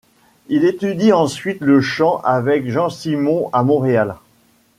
Il étudie ensuite le chant avec Jan Simons à Montréal.